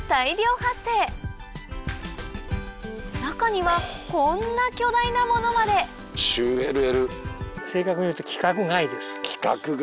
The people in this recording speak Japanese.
中にはこんな巨大なものまで規格外。